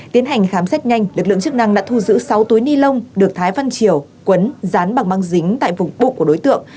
tiến hành khám xét nhanh lực lượng chức năng đã thu giữ sáu túi ni lông được thái văn triều quấn dán bằng mang dính tại vùng bụng của đối tượng